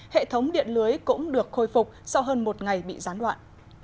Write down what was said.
hệ thống điện lưới cũng được khôi phục sau hơn một ngày bị gián đoạn